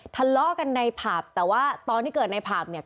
ทะเลาะกันในผับแต่ว่าตอนที่เกิดในผับเนี่ย